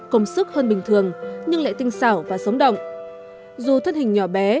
công sức hơn bình thường nhưng lại tinh xảo và sống động dù thân hình nhỏ bé